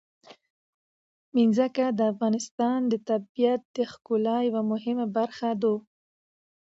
ځمکه د افغانستان د طبیعت د ښکلا یوه مهمه برخه ده.